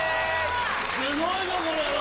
すごいぞこれは。